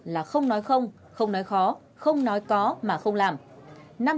là không nói không không nói khó không nói có mà không làm